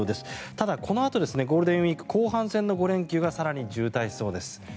ただ、このあとゴールデンウィーク後半戦の５連休が更に渋滞しそうです。